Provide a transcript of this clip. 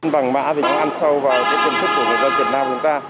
vẳng mã thì nó ăn sâu vào công thức của người dân việt nam của chúng ta